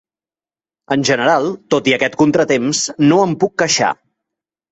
En general, tot i aquest contratemps, no em puc queixar.